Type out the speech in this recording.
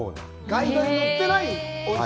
ガイドに載ってない